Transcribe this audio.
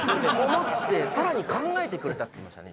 思ってさらに考えてくれたって言いましたね